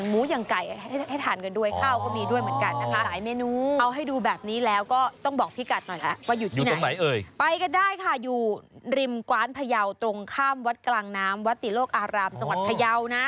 หวังพยาวตรงข้ามวัดกลางน้ำวัดติโลกอารามจังหวัดพยาวนะ